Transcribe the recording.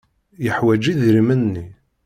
Yeḥwaj idrimen-nni.